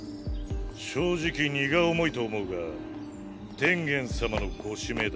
正直荷が重いと思うが天元様のご指名だ。